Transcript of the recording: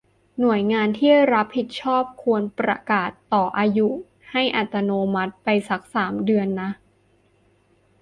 หน่วยงานที่รับผิดชอบควรประกาศต่ออายุให้อัตโนมัติไปสักสามเดือนนะ